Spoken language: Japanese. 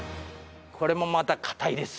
これもまたかたいです。